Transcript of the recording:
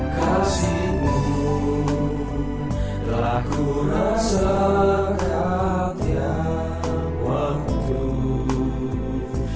kasihmu telah kurasa katia waktu